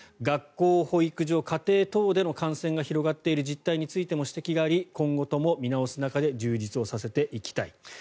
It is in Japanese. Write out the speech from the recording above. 学校、保育所、家庭等での感染が広がっている実態についても指摘があり今後とも見直す中で充実をさせていきたい。